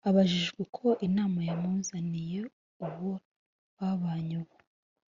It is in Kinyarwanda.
Abajijwe uko Imana yamuzaniye uwo babanye ubu